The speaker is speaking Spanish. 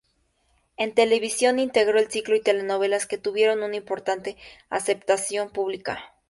En televisión integró el ciclo y telenovelas que tuvieron un importante aceptación pública.